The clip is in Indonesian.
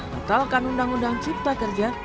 batalkan undang undang cipta kerja